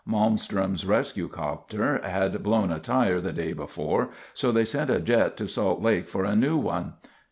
Malmstrom's rescue copter had blown a tire the day before, so they sent a jet to Salt Lake for a new one.